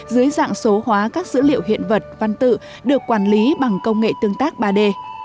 dưới dạng số hóa các dữ liệu hiện vật văn tự được quản lý bằng công nghệ tương tác ba d